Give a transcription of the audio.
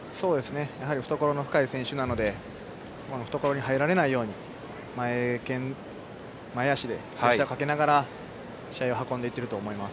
懐の深い選手なので懐に入られないように前拳、前足でプレッシャーをかけながら試合を運んでいると思います。